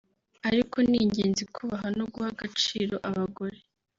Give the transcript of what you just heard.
ariko ni ingenzi kubaha no guha agaciro abagore